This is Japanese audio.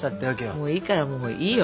もういいからもういいよ。